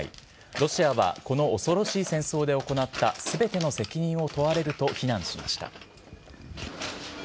ロシアはこの恐ろしい戦争で行ったすべての責任を問われると非難しました。